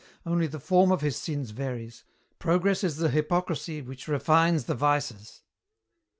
Only the form of his sins varies. Progress is the hypocrisy which refines the vices."